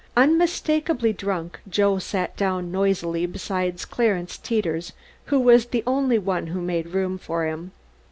Unmistakably drunk, Joe sat down noisily beside Clarence Teeters who was the only one who made room for him.